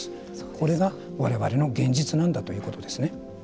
これが我々の現実なんだということですね。